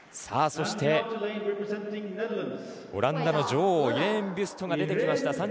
そして、オランダの女王イレーン・ビュストが出てきました。